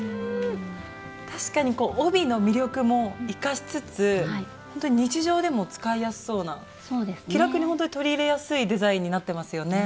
確かに帯の魅力も生かしつつほんとに日常でも使いやすそうな気楽にほんとに取り入れやすいデザインになってますよね。